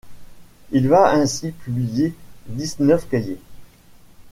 Il va ainsi publier dix-neuf cahiers.